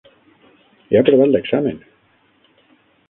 He aprovat l'examen!